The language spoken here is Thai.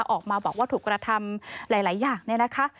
ออกมาบอกว่าถูกกระทำหลายอย่าง